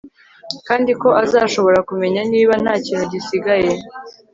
Kandi ko azashobora kumenya niba ntakintu gisigaye